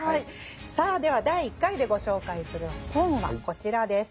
さあでは第１回でご紹介する本はこちらです。